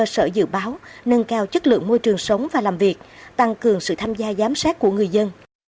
sở dự báo nâng cao chất lượng môi trường sống và làm việc tăng cường sự tham gia giám sát của người dân